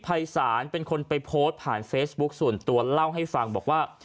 ภัยศาลเป็นคนไปโพสต์ผ่านเฟซบุ๊คส่วนตัวเล่าให้ฟังบอกว่า